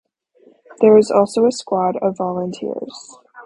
There is also a squad of volunteers.